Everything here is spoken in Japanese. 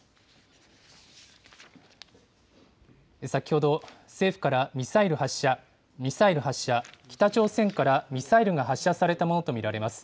先ほど、政府からミサイル発射、ミサイル発射、北朝鮮からミサイルが発射されたものと見られます。